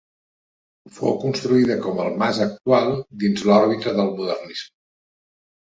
Fou construïda, com el mas actual, dins de l'òrbita del modernisme.